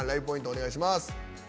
お願いします。